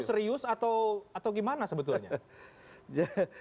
serius atau atau gimana sebetulnya jahe